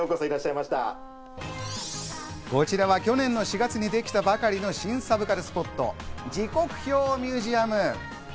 こちらは去年の４月にできたばかりの新サブカルスポット・時刻表ミュージアム。